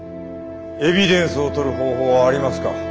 エビデンスを取る方法はありますか。